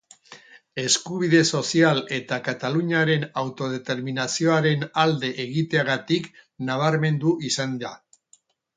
Eskubide sozial eta Kataluniaren autodeterminazioaren alde egiteagatik nabarmendu izan da.